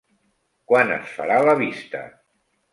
Quan es farà la vista?